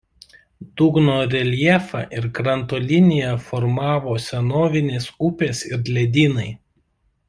Dugno reljefą ir kranto liniją formavo senovinės upės ir ledynai.